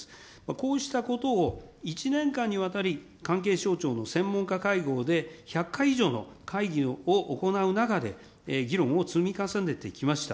こうしたことを１年間にわたり、関係省庁の専門家会合で１００回以上の会議を行う中で議論を積み重ねてきました。